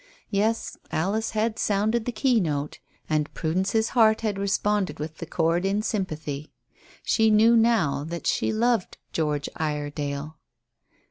Yes, Alice had sounded the keynote, and Prudence's heart had responded with the chord in sympathy. She knew now that she loved George Iredale.